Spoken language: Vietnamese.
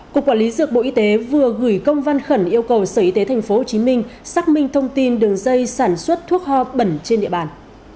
cục quản lý dược bộ y tế vừa gửi công văn khẩn yêu cầu sở y tế tp hcm xác minh thông tin đường dây sản xuất thuốc ho bẩn trên địa bàn